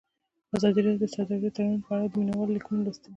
ازادي راډیو د سوداګریز تړونونه په اړه د مینه والو لیکونه لوستي.